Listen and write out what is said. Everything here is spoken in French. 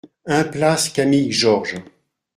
un place Camille Georges